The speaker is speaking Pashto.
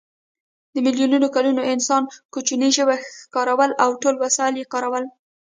په میلیونو کلونو کې انسان کوچني ژوي ښکارول او ټول وسایل یې کارول.